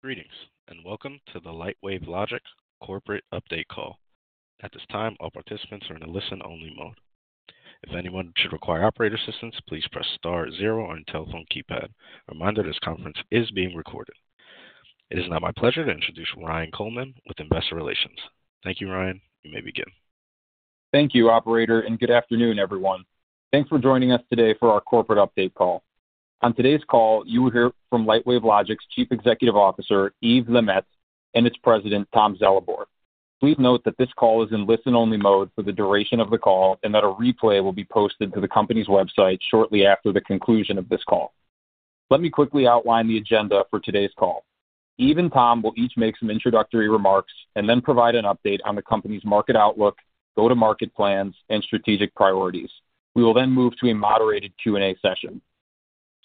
Greetings and welcome to the Lightwave Logic Corporate Update Call. At this time, all participants are in a listen-only mode. If anyone should require operator assistance, please press star zero on your telephone keypad. Reminder that this conference is being recorded. It is now my pleasure to introduce Ryan Coleman with Investor Relations. Thank you, Ryan. You may begin. Thank you, Operator, and good afternoon, everyone. Thanks for joining us today for our Corporate Update Call. On today's call, you will hear from Lightwave Logic's Chief Executive Officer, Yves LeMaitre, and its President, Tom Zelibor. Please note that this call is in listen-only mode for the duration of the call and that a replay will be posted to the company's website shortly after the conclusion of this call. Let me quickly outline the agenda for today's call. Yves and Tom will each make some introductory remarks and then provide an update on the company's market outlook, go-to-market plans, and strategic priorities. We will then move to a moderated Q&A session.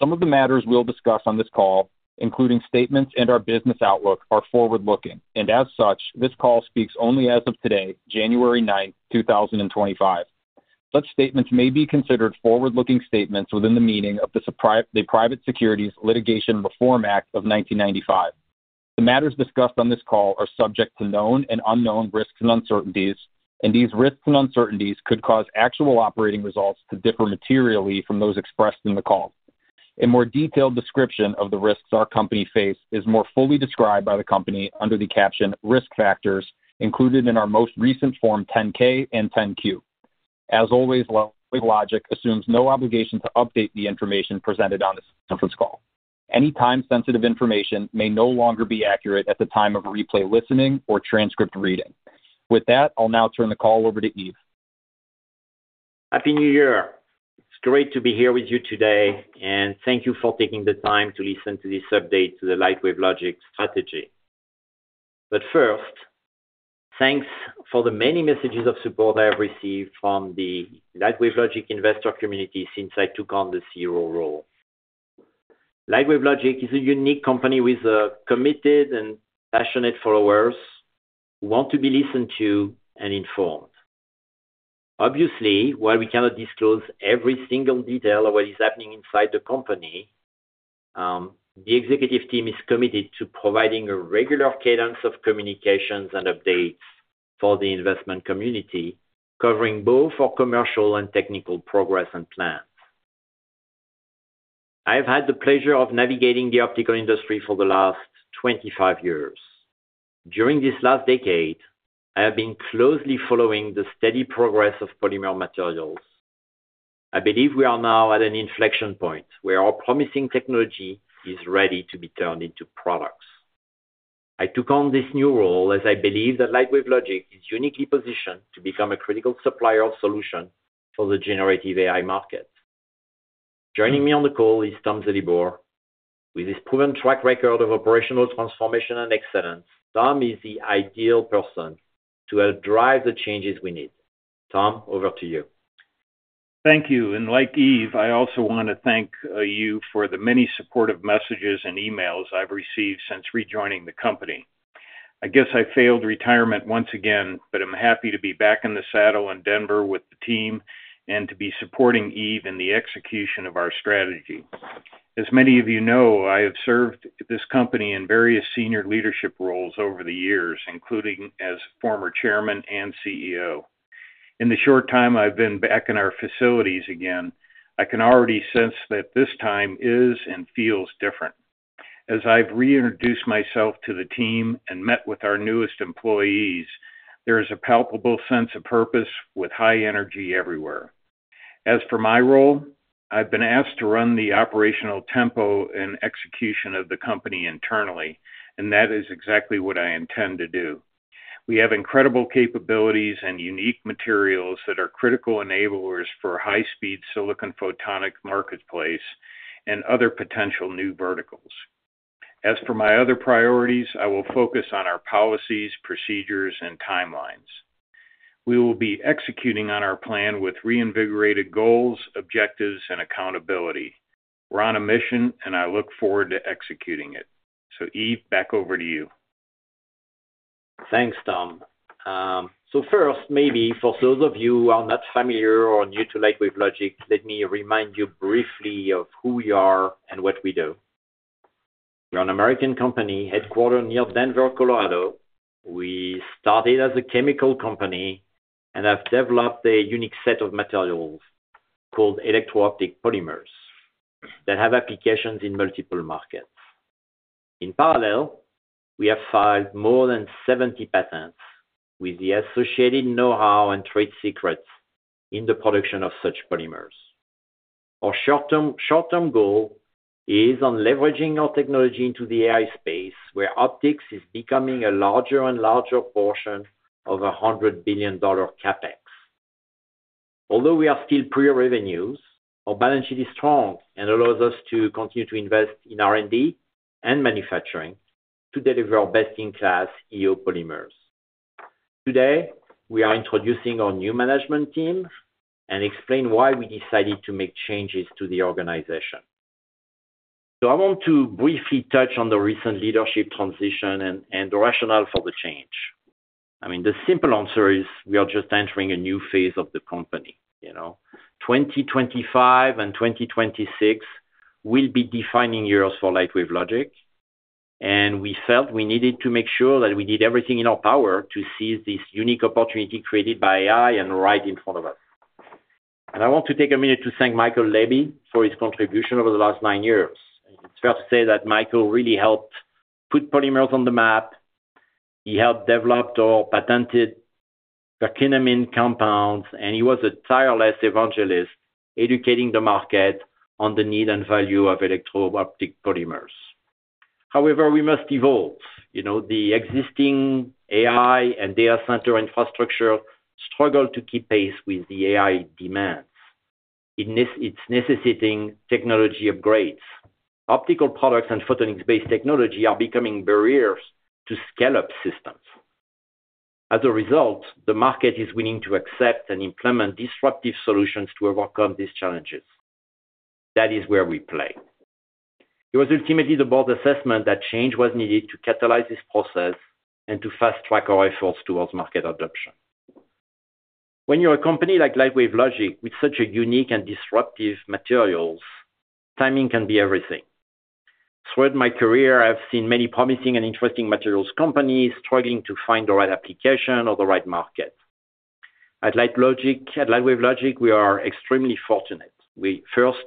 Some of the matters we'll discuss on this call, including statements and our business outlook, are forward-looking, and as such, this call speaks only as of today, January 9th, 2025. Such statements may be considered forward-looking statements within the meaning of the Private Securities Litigation Reform Act of 1995. The matters discussed on this call are subject to known and unknown risks and uncertainties, and these risks and uncertainties could cause actual operating results to differ materially from those expressed in the call. A more detailed description of the risks our company faced is more fully described by the company under the caption "Risk Factors" included in our most recent Form 10-K and 10-Q. As always, Lightwave Logic assumes no obligation to update the information presented on this conference call. Any time-sensitive information may no longer be accurate at the time of replay listening or transcript reading. With that, I'll now turn the call over to Yves. Happy New Year. It's great to be here with you today, and thank you for taking the time to listen to this update to the Lightwave Logic strategy. But first, thanks for the many messages of support I have received from the Lightwave Logic investor community since I took on this CEO role. Lightwave Logic is a unique company with committed and passionate followers who want to be listened to and informed. Obviously, while we cannot disclose every single detail of what is happening inside the company, the executive team is committed to providing a regular cadence of communications and updates for the investment community, covering both our commercial and technical progress and plans. I have had the pleasure of navigating the optical industry for the last 25 years. During this last decade, I have been closely following the steady progress of polymer materials. I believe we are now at an inflection point where our promising technology is ready to be turned into products. I took on this new role as I believe that Lightwave Logic is uniquely positioned to become a critical supplier of solutions for the generative AI market. Joining me on the call is Tom Zelibor. With his proven track record of operational transformation and excellence, Tom is the ideal person to help drive the changes we need. Tom, over to you. Thank you. And like Yves, I also want to thank you for the many supportive messages and emails I've received since rejoining the company. I guess I failed retirement once again, but I'm happy to be back in the saddle in Denver with the team and to be supporting Yves in the execution of our strategy. As many of you know, I have served this company in various senior leadership roles over the years, including as former Chairman and CEO. In the short time I've been back in our facilities again, I can already sense that this time is and feels different. As I've reintroduced myself to the team and met with our newest employees, there is a palpable sense of purpose with high energy everywhere. As for my role, I've been asked to run the operational tempo and execution of the company internally, and that is exactly what I intend to do. We have incredible capabilities and unique materials that are critical enablers for a high-speed silicon photonics marketplace and other potential new verticals. As for my other priorities, I will focus on our policies, procedures, and timelines. We will be executing on our plan with reinvigorated goals, objectives, and accountability. We're on a mission, and I look forward to executing it. So Yves, back over to you. Thanks, Tom. So first, maybe for those of you who are not familiar or new to Lightwave Logic, let me remind you briefly of who we are and what we do. We're an American company headquartered near Denver, Colorado. We started as a chemical company and have developed a unique set of materials called electro-optic polymers that have applications in multiple markets. In parallel, we have filed more than 70 patents with the associated know-how and trade secrets in the production of such polymers. Our short-term goal is on leveraging our technology into the AI space, where optics is becoming a larger and larger portion of a $100 billion CapEx. Although we are still pre-revenues, our balance sheet is strong and allows us to continue to invest in R&D and manufacturing to deliver our best-in-class EO polymers. Today, we are introducing our new management team and explain why we decided to make changes to the organization, so I want to briefly touch on the recent leadership transition and the rationale for the change. I mean, the simple answer is we are just entering a new phase of the company. 2025 and 2026 will be defining years for Lightwave Logic, and we felt we needed to make sure that we did everything in our power to seize this unique opportunity created by AI and right in front of us, and I want to take a minute to thank Michael Lebby for his contribution over the last nine years. It's fair to say that Michael really helped put polymers on the map. He helped develop or patented Perkinamine compounds, and he was a tireless evangelist educating the market on the need and value of electro-optic polymers. However, we must evolve. The existing AI and data center infrastructure struggle to keep pace with the AI demands. It's necessitating technology upgrades. Optical products and photonics-based technology are becoming barriers to scale-up systems. As a result, the market is willing to accept and implement disruptive solutions to overcome these challenges. That is where we play. It was ultimately the board assessment that change was needed to catalyze this process and to fast-track our efforts towards market adoption. When you're a company like Lightwave Logic with such unique and disruptive materials, timing can be everything. Throughout my career, I've seen many promising and interesting materials companies struggling to find the right application or the right market. At Lightwave Logic, we are extremely fortunate. First,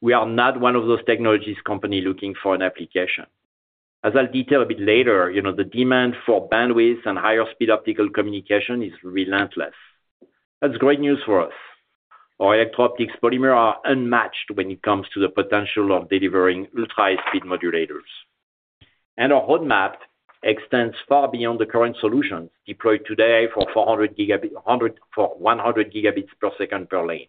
we are not one of those technology companies looking for an application. As I'll detail a bit later, the demand for bandwidth and higher-speed optical communication is relentless. That's great news for us. Our electro-optic polymers are unmatched when it comes to the potential of delivering ultra-high-speed modulators, and our roadmap extends far beyond the current solutions deployed today for 100 gigabits per second per lane.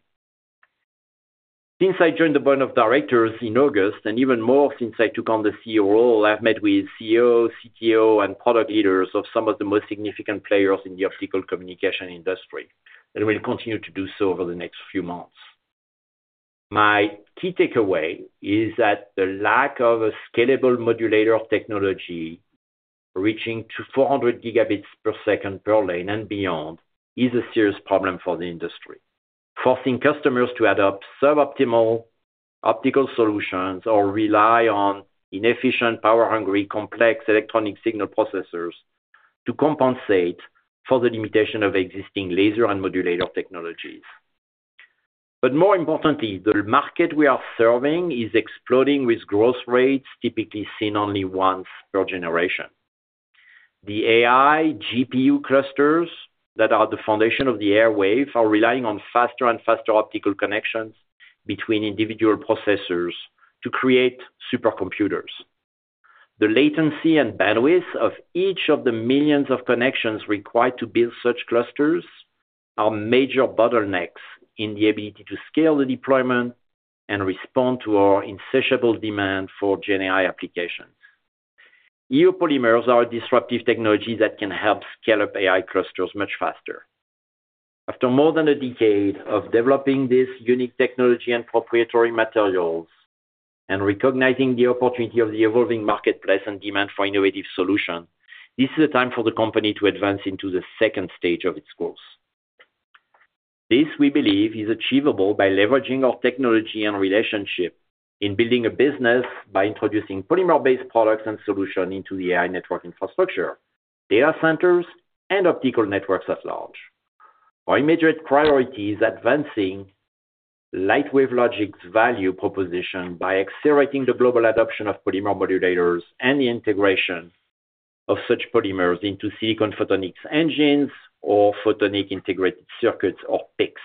Since I joined the board of directors in August, and even more since I took on the CEO role, I've met with CEO, CTO, and product leaders of some of the most significant players in the optical communication industry, and will continue to do so over the next few months. My key takeaway is that the lack of a scalable modulator technology reaching to 400 gigabits per second per lane and beyond is a serious problem for the industry, forcing customers to adopt suboptimal optical solutions or rely on inefficient, power-hungry, complex electronic signal processors to compensate for the limitation of existing laser and modulator technologies, but more importantly, the market we are serving is exploding with growth rates typically seen only once per generation. The AI GPU clusters that are the foundation of the AI wave are relying on faster and faster optical connections between individual processors to create supercomputers. The latency and bandwidth of each of the millions of connections required to build such clusters are major bottlenecks in the ability to scale the deployment and respond to our insatiable demand for GenAI applications. EO polymers are disruptive technologies that can help scale up AI clusters much faster. After more than a decade of developing this unique technology and proprietary materials and recognizing the opportunity of the evolving marketplace and demand for innovative solutions, this is a time for the company to advance into the second stage of its course. This, we believe, is achievable by leveraging our technology and relationship in building a business by introducing polymer-based products and solutions into the AI network infrastructure, data centers, and optical networks at large. Our immediate priority is advancing Lightwave Logic's value proposition by accelerating the global adoption of polymer modulators and the integration of such polymers into silicon photonics engines or photonic integrated circuits or PICs.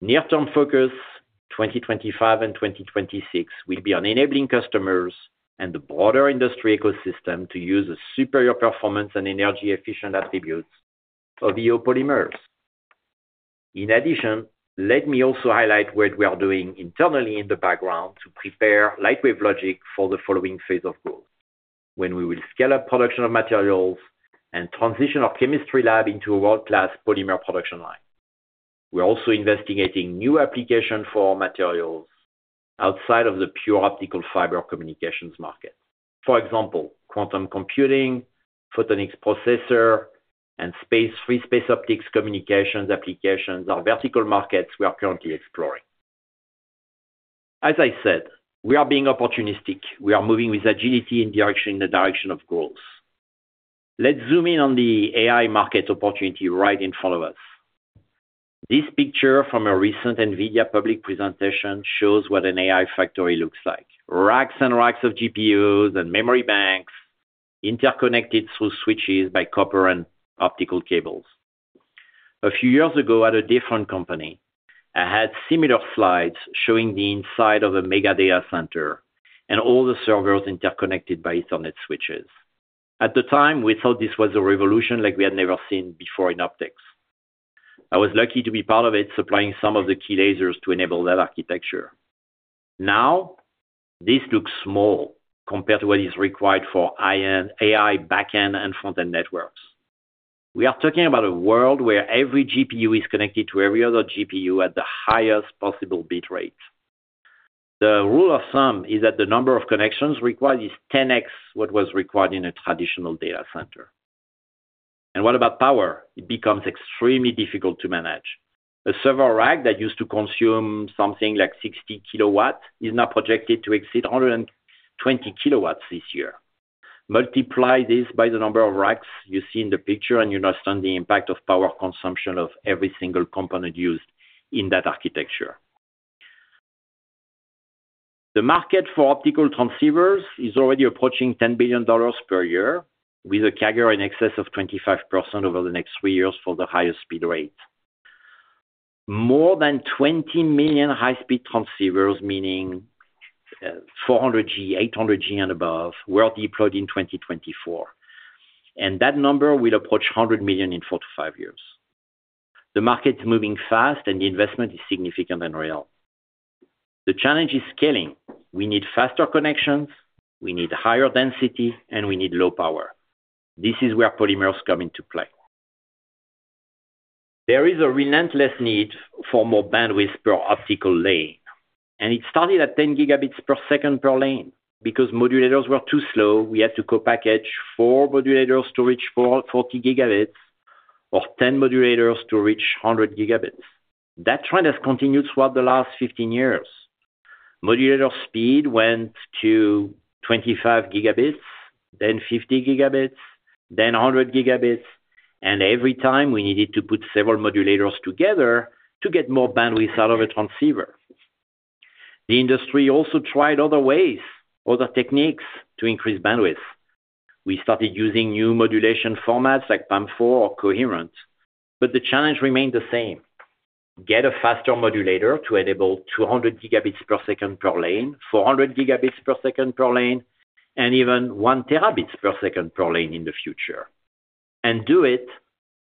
Near-term focus, 2025 and 2026, will be on enabling customers and the broader industry ecosystem to use the superior performance and energy-efficient attributes of EO polymers. In addition, let me also highlight what we are doing internally in the background to prepare Lightwave Logic for the following phase of growth, when we will scale up production of materials and transition our chemistry lab into a world-class polymer production line. We're also investigating new applications for our materials outside of the pure optical fiber communications market. For example, quantum computing, photonics processor, and free space optics communications applications are vertical markets we are currently exploring. As I said, we are being opportunistic. We are moving with agility in the direction of growth. Let's zoom in on the AI market opportunity right in front of us. This picture from a recent NVIDIA public presentation shows what an AI factory looks like: racks and racks of GPUs and memory banks interconnected through switches by copper and optical cables. A few years ago, at a different company, I had similar slides showing the inside of a mega data center and all the servers interconnected by Ethernet switches. At the time, we thought this was a revolution like we had never seen before in optics. I was lucky to be part of it, supplying some of the key lasers to enable that architecture. Now, this looks small compared to what is required for AI backend and frontend networks. We are talking about a world where every GPU is connected to every other GPU at the highest possible bit rate. The rule of thumb is that the number of connections required is 10x what was required in a traditional data center. And what about power? It becomes extremely difficult to manage. A server rack that used to consume something like 60 kilowatts is now projected to exceed 120 kilowatts this year. Multiply this by the number of racks you see in the picture, and you understand the impact of power consumption of every single component used in that architecture. The market for optical transceivers is already approaching $10 billion per year, with a CAGR in excess of 25% over the next three years for the highest speed rate. More than 20 million high-speed transceivers, meaning 400G, 800G, and above, were deployed in 2024. And that number will approach 100 million in four to five years. The market is moving fast, and the investment is significant and real. The challenge is scaling. We need faster connections. We need higher density, and we need low power. This is where polymers come into play. There is a relentless need for more bandwidth per optical lane. And it started at 10 gigabits per second per lane. Because modulators were too slow, we had to co-package four modulators to reach for 40 gigabits or 10 modulators to reach 100 gigabits. That trend has continued throughout the last 15 years. Modulator speed went to 25 gigabits, then 50 gigabits, then 100 gigabits, and every time, we needed to put several modulators together to get more bandwidth out of a transceiver. The industry also tried other ways, other techniques to increase bandwidth. We started using new modulation formats like PAM4 or coherent, but the challenge remained the same: get a faster modulator to enable 200 gigabits per second per lane, 400 gigabits per second per lane, and even one terabit per second per lane in the future, and do it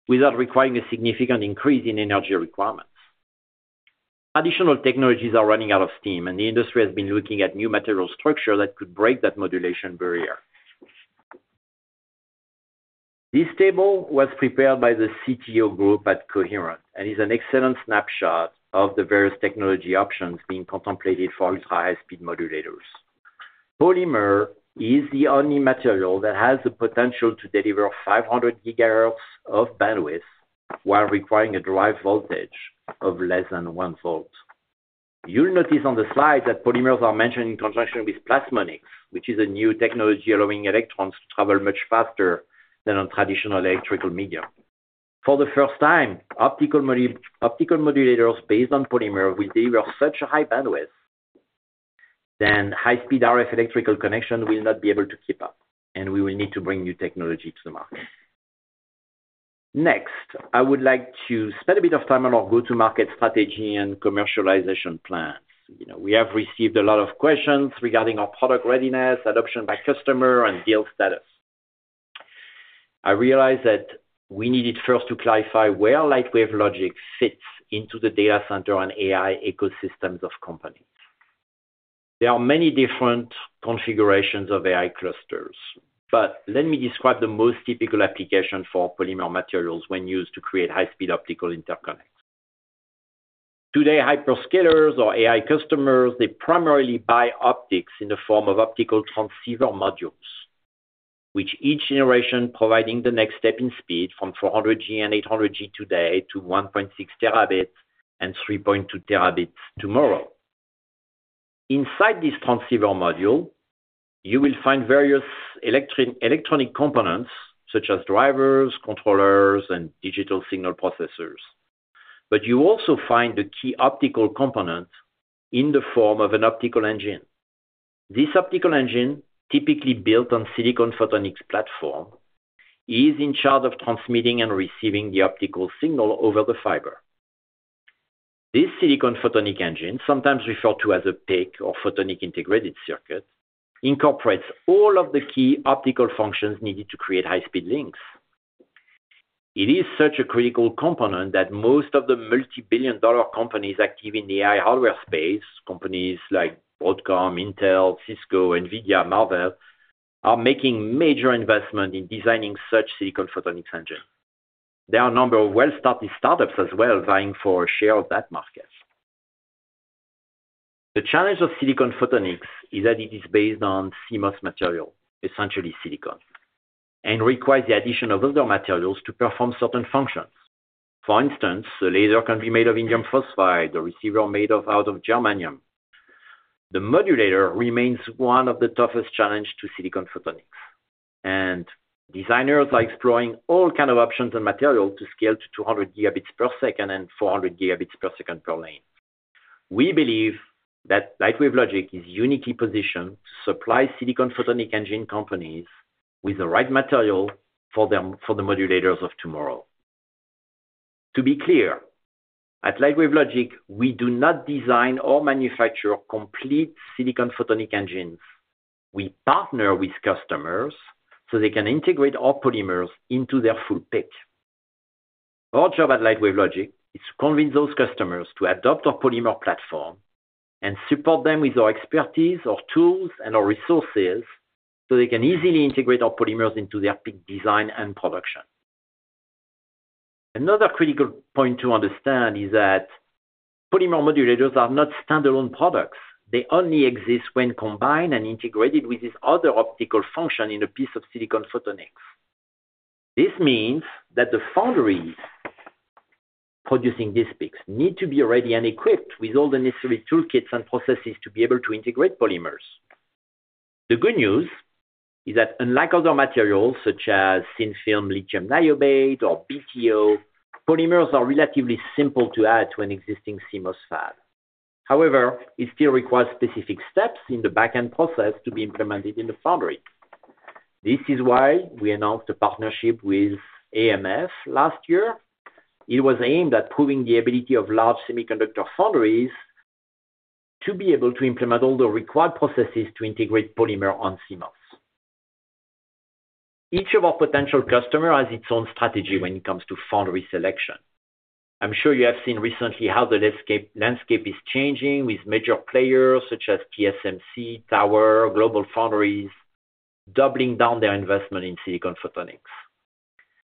without requiring a significant increase in energy requirements. Additional technologies are running out of steam, and the industry has been looking at new material structures that could break that modulation barrier. This table was prepared by the CTO group at Coherent and is an excellent snapshot of the various technology options being contemplated for ultra-high-speed modulators. Polymer is the only material that has the potential to deliver 500 gigahertz of bandwidth while requiring a drive voltage of less than one volt. You'll notice on the slide that polymers are mentioned in conjunction with plasmonics, which is a new technology allowing electrons to travel much faster than on traditional electrical media. For the first time, optical modulators based on polymer will deliver such high bandwidth that high-speed RF electrical connections will not be able to keep up, and we will need to bring new technology to the market. Next, I would like to spend a bit of time on our go-to-market strategy and commercialization plans. We have received a lot of questions regarding our product readiness, adoption by customer, and deal status. I realize that we needed first to clarify where Lightwave Logic fits into the data center and AI ecosystems of companies. There are many different configurations of AI clusters, but let me describe the most typical application for polymer materials when used to create high-speed optical interconnects. Today, hyperscalers or AI customers, they primarily buy optics in the form of optical transceiver modules, which each generation provides the next step in speed from 400G and 800G today to 1.6 terabits and 3.2 terabits tomorrow. Inside this transceiver module, you will find various electronic components such as drivers, controllers, and digital signal processors. But you also find the key optical component in the form of an optical engine. This optical engine, typically built on a silicon photonics platform, is in charge of transmitting and receiving the optical signal over the fiber. This silicon photonic engine, sometimes referred to as a PIC or photonic integrated circuit, incorporates all of the key optical functions needed to create high-speed links. It is such a critical component that most of the multi-billion-dollar companies active in the AI hardware space, companies like Broadcom, Intel, Cisco, NVIDIA, and Marvell, are making major investments in designing such silicon photonics engines. There are a number of well-started startups as well vying for a share of that market. The challenge of silicon photonics is that it is based on CMOS material, essentially silicon, and requires the addition of other materials to perform certain functions. For instance, the laser can be made of indium phosphide or a receiver made out of germanium. The modulator remains one of the toughest challenges to silicon photonics, and designers are exploring all kinds of options and materials to scale to 200 gigabits per second and 400 gigabits per second per lane. We believe that Lightwave Logic is uniquely positioned to supply silicon photonic engine companies with the right material for the modulators of tomorrow. To be clear, at Lightwave Logic, we do not design or manufacture complete silicon photonic engines. We partner with customers so they can integrate our polymers into their full PIC. Our job at Lightwave Logic is to convince those customers to adopt our polymer platform and support them with our expertise, our tools, and our resources so they can easily integrate our polymers into their PIC design and production. Another critical point to understand is that polymer modulators are not standalone products. They only exist when combined and integrated with this other optical function in a piece of silicon photonics. This means that the foundries producing these PICs need to be ready and equipped with all the necessary toolkits and processes to be able to integrate polymers. The good news is that, unlike other materials such as thin-film lithium niobate or BTO, polymers are relatively simple to add to an existing CMOS fab. However, it still requires specific steps in the backend process to be implemented in the foundry. This is why we announced a partnership with AMF last year. It was aimed at proving the ability of large semiconductor foundries to be able to implement all the required processes to integrate polymer on CMOS. Each of our potential customers has its own strategy when it comes to foundry selection. I'm sure you have seen recently how the landscape is changing with major players such as TSMC, Tower, and GlobalFoundries doubling down their investment in silicon photonics.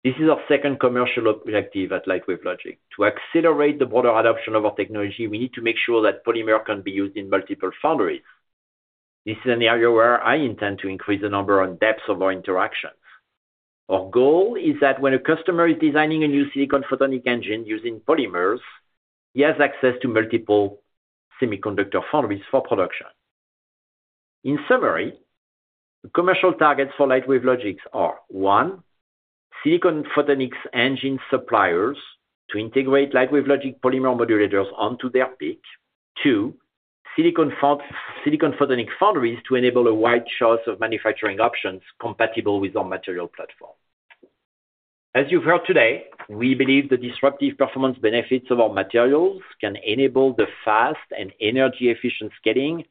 This is our second commercial objective at Lightwave Logic. To accelerate the broader adoption of our technology, we need to make sure that polymer can be used in multiple foundries. This is an area where I intend to increase the number and depth of our interactions. Our goal is that when a customer is designing a new silicon photonic engine using polymers, he has access to multiple semiconductor foundries for production. In summary, the commercial targets for Lightwave Logic are: one, silicon photonics engine suppliers to integrate Lightwave Logic polymer modulators onto their PIC. Two, silicon photonic foundries to enable a wide choice of manufacturing options compatible with our material platform. As you've heard today, we believe the disruptive performance benefits of our materials can enable the fast and energy-efficient scaling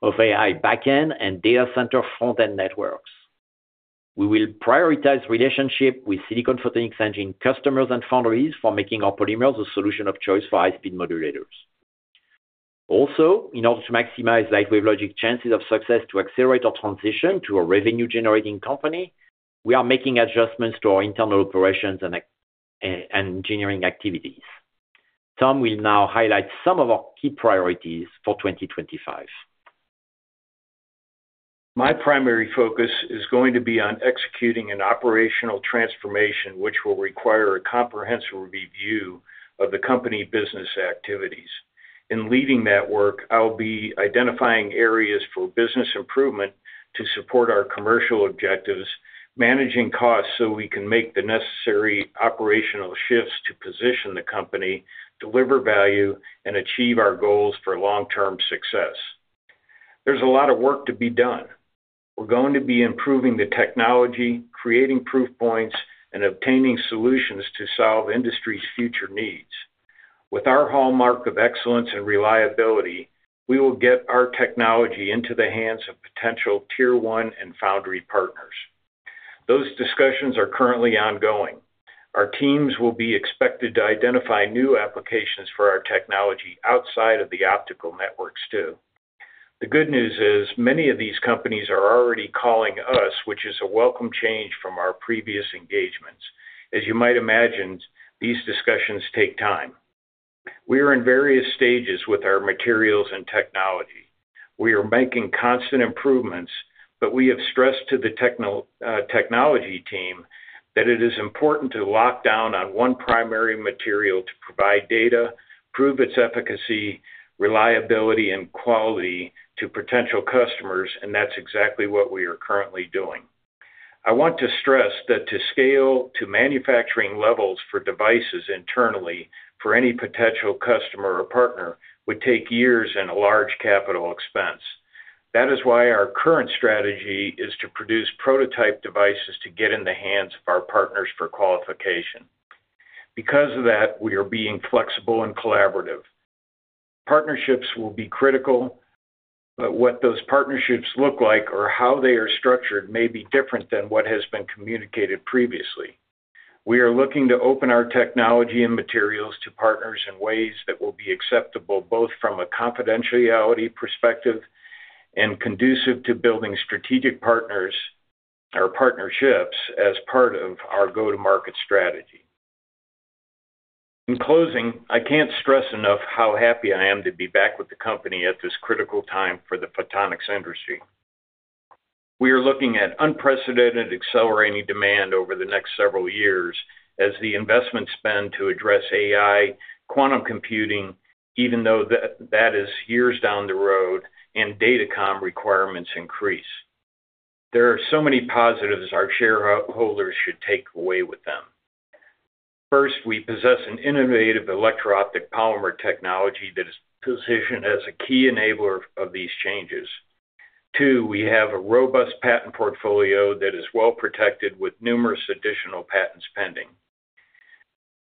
of AI backend and data center frontend networks. We will prioritize relationships with silicon photonics engine customers and foundries for making our polymers a solution of choice for high-speed modulators. Also, in order to maximize Lightwave Logic's chances of success to accelerate our transition to a revenue-generating company, we are making adjustments to our internal operations and engineering activities. Tom will now highlight some of our key priorities for 2025. My primary focus is going to be on executing an operational transformation, which will require a comprehensive review of the company business activities. In leading that work, I'll be identifying areas for business improvement to support our commercial objectives, managing costs so we can make the necessary operational shifts to position the company, deliver value, and achieve our goals for long-term success. There's a lot of work to be done. We're going to be improving the technology, creating proof points, and obtaining solutions to solve industry's future needs. With our hallmark of excellence and reliability, we will get our technology into the hands of potential tier-one and foundry partners. Those discussions are currently ongoing. Our teams will be expected to identify new applications for our technology outside of the optical networks too. The good news is many of these companies are already calling us, which is a welcome change from our previous engagements. As you might imagine, these discussions take time. We are in various stages with our materials and technology. We are making constant improvements, but we have stressed to the technology team that it is important to lock down on one primary material to provide data, prove its efficacy, reliability, and quality to potential customers, and that's exactly what we are currently doing. I want to stress that to scale to manufacturing levels for devices internally for any potential customer or partner would take years and a large capital expense. That is why our current strategy is to produce prototype devices to get in the hands of our partners for qualification. Because of that, we are being flexible and collaborative. Partnerships will be critical, but what those partnerships look like or how they are structured may be different than what has been communicated previously. We are looking to open our technology and materials to partners in ways that will be acceptable both from a confidentiality perspective and conducive to building strategic partners or partnerships as part of our go-to-market strategy. In closing, I can't stress enough how happy I am to be back with the company at this critical time for the photonics industry. We are looking at unprecedented accelerating demand over the next several years as the investment spend to address AI, quantum computing, even though that is years down the road, and datacom requirements increase. There are so many positives our shareholders should take away with them. First, we possess an innovative electro-optic polymer technology that is positioned as a key enabler of these changes. Two, we have a robust patent portfolio that is well protected with numerous additional patents pending.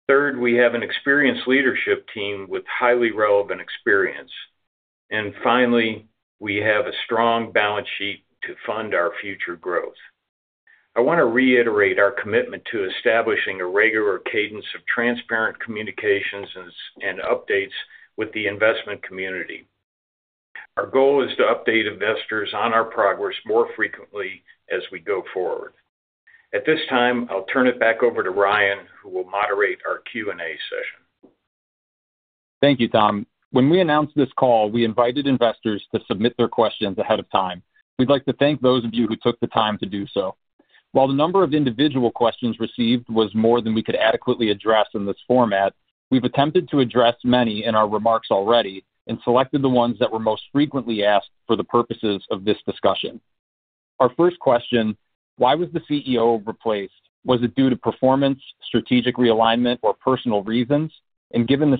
Third, we have an experienced leadership team with highly relevant experience. And finally, we have a strong balance sheet to fund our future growth. I want to reiterate our commitment to establishing a regular cadence of transparent communications and updates with the investment community. Our goal is to update investors on our progress more frequently as we go forward. At this time, I'll turn it back over to Ryan, who will moderate our Q&A session. Thank you, Tom. When we announced this call, we invited investors to submit their questions ahead of time. We'd like to thank those of you who took the time to do so. While the number of individual questions received was more than we could adequately address in this format, we've attempted to address many in our remarks already and selected the ones that were most frequently asked for the purposes of this discussion. Our first question, why was the CEO replaced? Was it due to performance, strategic realignment, or personal reasons? And given the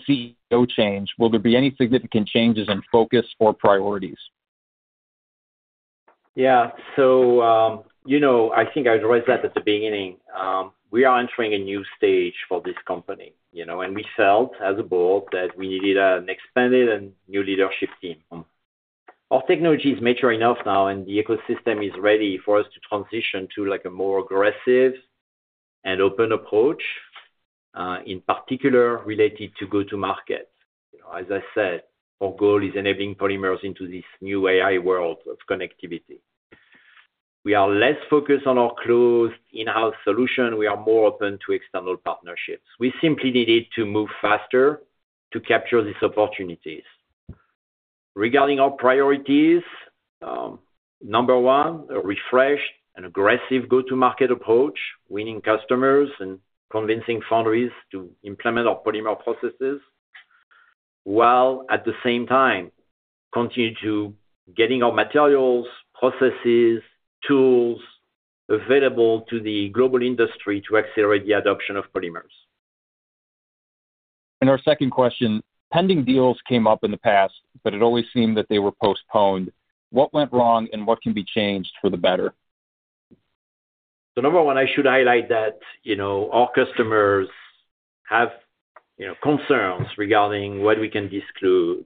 CEO change, will there be any significant changes in focus or priorities? Yeah. So I think I've already said at the beginning, we are entering a new stage for this company, and we felt as a board that we needed an expanded and new leadership team. Our technology is mature enough now, and the ecosystem is ready for us to transition to a more aggressive and open approach, in particular related to go-to-market. As I said, our goal is enabling polymers into this new AI world of connectivity. We are less focused on our closed in-house solution. We are more open to external partnerships. We simply needed to move faster to capture these opportunities. Regarding our priorities, number one, a refreshed and aggressive go-to-market approach, winning customers and convincing foundries to implement our polymer processes, while at the same time continuing to get our materials, processes, tools available to the global industry to accelerate the adoption of polymers. And our second question, pending deals came up in the past, but it always seemed that they were postponed. What went wrong and what can be changed for the better? So number one, I should highlight that our customers have concerns regarding what we can disclose,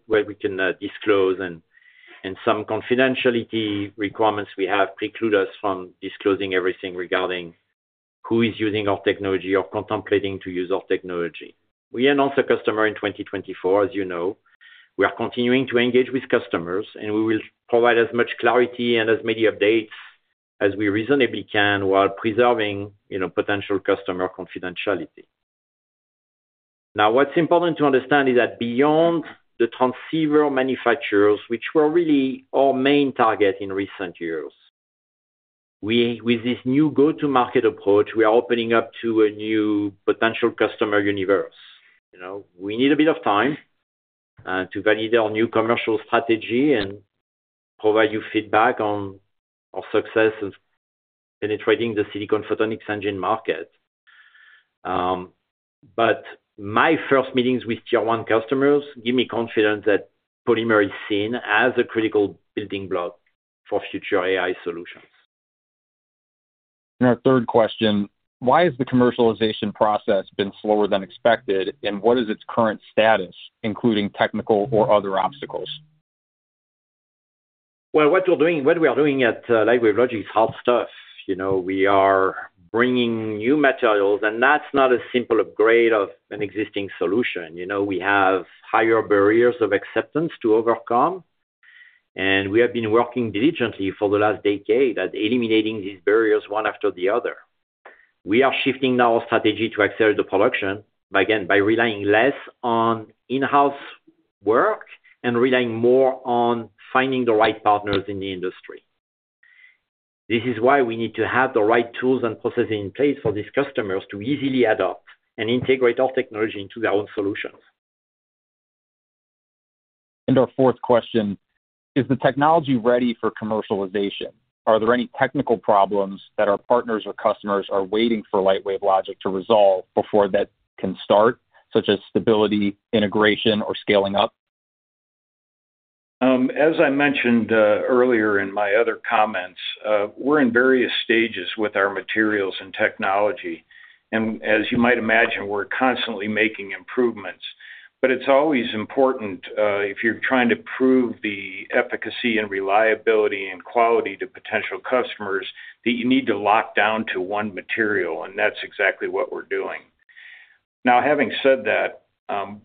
and some confidentiality requirements we have preclude us from disclosing everything regarding who is using our technology or contemplating to use our technology. We announced a customer in 2024, as you know. We are continuing to engage with customers, and we will provide as much clarity and as many updates as we reasonably can while preserving potential customer confidentiality. Now, what's important to understand is that beyond the transceiver manufacturers, which were really our main target in recent years, with this new go-to-market approach, we are opening up to a new potential customer universe. We need a bit of time to validate our new commercial strategy and provide you feedback on our success in penetrating the silicon photonics engine market. But my first meetings with tier-one customers give me confidence that polymer is seen as a critical building block for future AI solutions. And our third question, why has the commercialization process been slower than expected, and what is its current status, including technical or other obstacles? Well, what we are doing at Lightwave Logic is hard stuff. We are bringing new materials, and that's not a simple upgrade of an existing solution. We have higher barriers of acceptance to overcome, and we have been working diligently for the last decade at eliminating these barriers one after the other. We are shifting now our strategy to accelerate the production, again, by relying less on in-house work and relying more on finding the right partners in the industry. This is why we need to have the right tools and processes in place for these customers to easily adopt and integrate our technology into their own solutions, and our fourth question is: Is the technology ready for commercialization? Are there any technical problems that our partners or customers are waiting for Lightwave Logic to resolve before that can start, such as stability, integration, or scaling up? As I mentioned earlier in my other comments, we're in various stages with our materials and technology, and as you might imagine, we're constantly making improvements, but it's always important if you're trying to prove the efficacy and reliability and quality to potential customers that you need to lock down to one material, and that's exactly what we're doing. Now, having said that,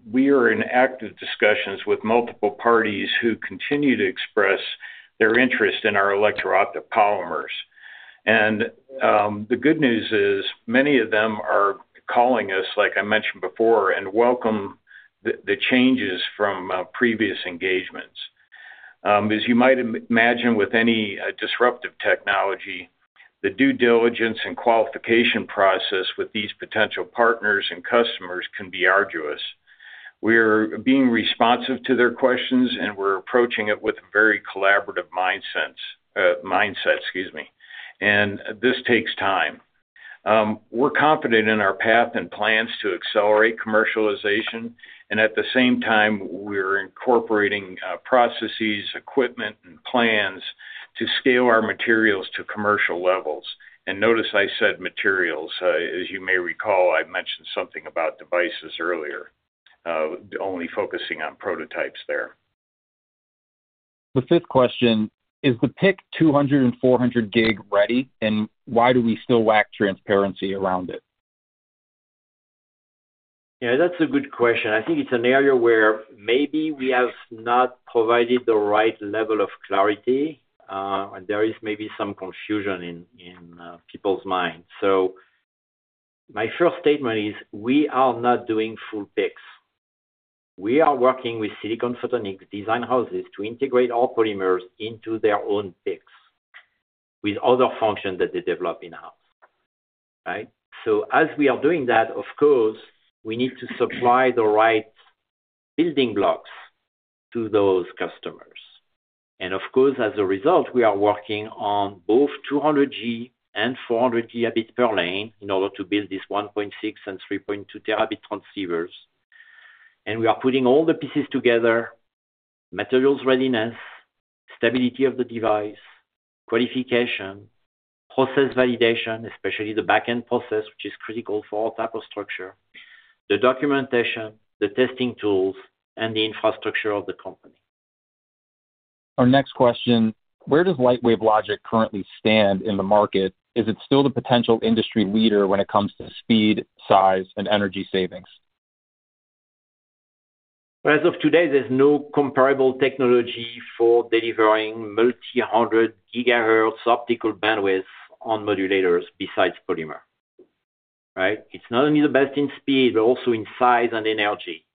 we are in active discussions with multiple parties who continue to express their interest in our electro-optic polymers, and the good news is many of them are calling us, like I mentioned before, and welcome the changes from previous engagements. As you might imagine, with any disruptive technology, the due diligence and qualification process with these potential partners and customers can be arduous. We are being responsive to their questions, and we're approaching it with a very collaborative mindset, excuse me, and this takes time. We're confident in our path and plans to accelerate commercialization, and at the same time, we are incorporating processes, equipment, and plans to scale our materials to commercial levels, and notice I said materials. As you may recall, I mentioned something about devices earlier, only focusing on prototypes there. The fifth question is: Is the PIC 200 and 400 gig ready, and why do we still lack transparency around it? Yeah, that's a good question. I think it's an area where maybe we have not provided the right level of clarity, and there is maybe some confusion in people's minds, so my first statement is we are not doing full PICs. We are working with silicon photonics design houses to integrate all polymers into their own PICs with other functions that they develop in-house. Right? As we are doing that, of course, we need to supply the right building blocks to those customers. And of course, as a result, we are working on both 200G and 400G bit per lane in order to build these 1.6 and 3.2 terabit transceivers. And we are putting all the pieces together: materials readiness, stability of the device, qualification, process validation, especially the back-end process, which is critical for all types of structures, the documentation, the testing tools, and the infrastructure of the company. Our next question: Where does Lightwave Logic currently stand in the market? Is it still the potential industry leader when it comes to speed, size, and energy savings? As of today, there's no comparable technology for delivering multi-hundred gigahertz optical bandwidth on modulators besides polymer. Right? It's not only the best in speed, but also in size and energy.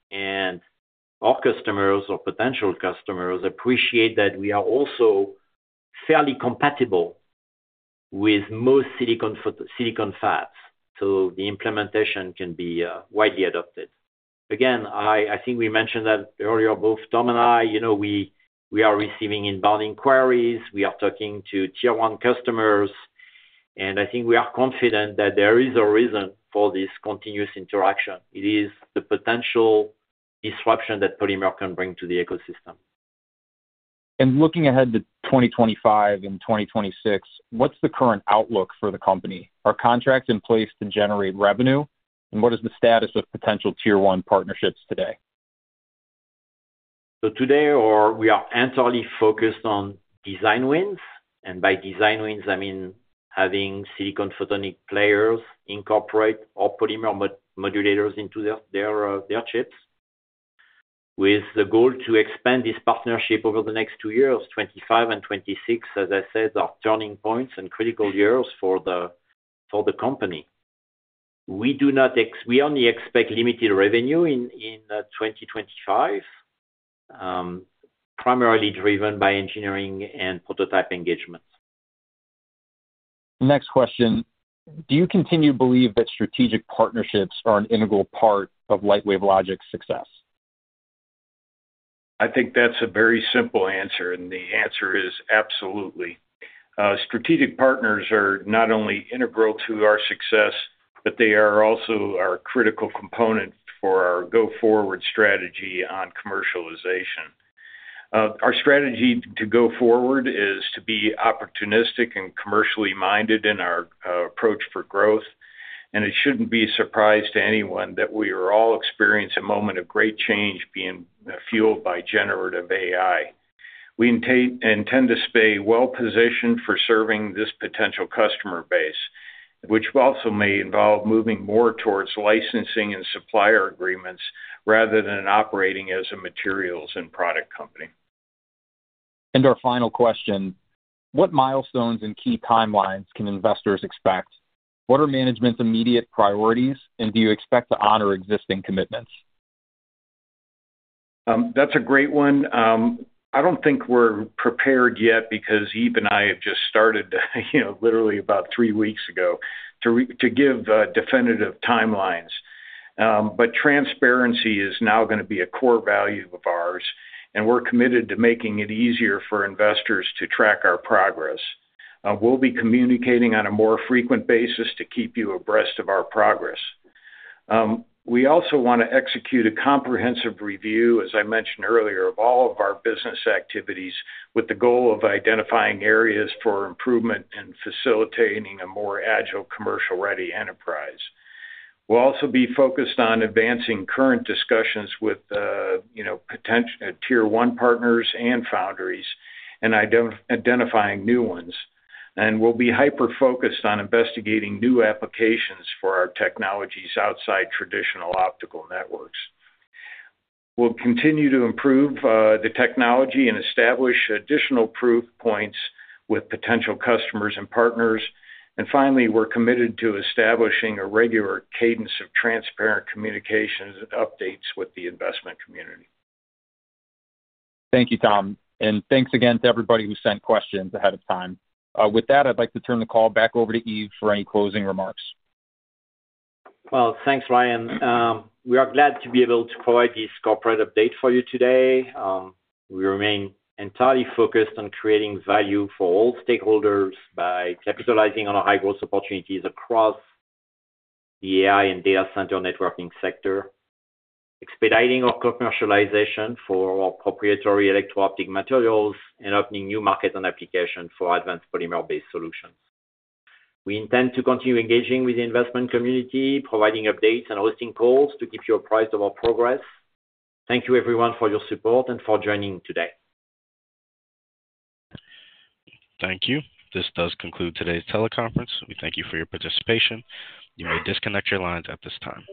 Our customers or potential customers appreciate that we are also fairly compatible with most silicon fabs. The implementation can be widely adopted. Again, I think we mentioned that earlier, both Tom and I. We are receiving inbound inquiries. We are talking to tier-one customers. I think we are confident that there is a reason for this continuous interaction. It is the potential disruption that polymer can bring to the ecosystem. Looking ahead to 2025 and 2026, what is the current outlook for the company? Are contracts in place to generate revenue? What is the status of potential tier-one partnerships today? Today, we are entirely focused on design wins. By design wins, I mean having silicon photonics players incorporate all polymer modulators into their chips with the goal to expand this partnership over the next two years. 25 and 26, as I said, are turning points and critical years for the company. We only expect limited revenue in 2025, primarily driven by engineering and prototype engagements. Next question, do you continue to believe that strategic partnerships are an integral part of Lightwave Logic's success? I think that's a very simple answer, and the answer is absolutely. Strategic partners are not only integral to our success, but they are also our critical component for our go-forward strategy on commercialization. Our strategy to go forward is to be opportunistic and commercially minded in our approach for growth, and it shouldn't be a surprise to anyone that we are all experiencing a moment of great change being fueled by generative AI. We intend to stay well-positioned for serving this potential customer base, which also may involve moving more towards licensing and supplier agreements rather than operating as a materials and product company. And our final question, what milestones and key timelines can investors expect? What are management's immediate priorities, and do you expect to honor existing commitments? That's a great one. I don't think we're prepared yet because Yves and I have just started literally about three weeks ago to give definitive timelines. But transparency is now going to be a core value of ours, and we're committed to making it easier for investors to track our progress. We'll be communicating on a more frequent basis to keep you abreast of our progress. We also want to execute a comprehensive review, as I mentioned earlier, of all of our business activities with the goal of identifying areas for improvement and facilitating a more agile commercial-ready enterprise. We'll also be focused on advancing current discussions with tier-one partners and foundries and identifying new ones. And we'll be hyper-focused on investigating new applications for our technologies outside traditional optical networks. We'll continue to improve the technology and establish additional proof points with potential customers and partners. And finally, we're committed to establishing a regular cadence of transparent communications and updates with the investment community. Thank you, Tom. And thanks again to everybody who sent questions ahead of time. With that, I'd like to turn the call back over to Yves for any closing remarks. Well, thanks, Ryan. We are glad to be able to provide this corporate update for you today. We remain entirely focused on creating value for all stakeholders by capitalizing on our high-growth opportunities across the AI and data center networking sector, expediting our commercialization for our proprietary electro-optic materials, and opening new markets and applications for advanced polymer-based solutions. We intend to continue engaging with the investment community, providing updates and hosting calls to keep you apprised of our progress. Thank you, everyone, for your support and for joining today. Thank you. This does conclude today's teleconference. We thank you for your participation. You may disconnect your lines at this time.